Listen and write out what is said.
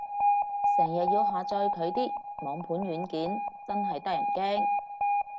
成日要下載佢啲網盤軟件，真係得人驚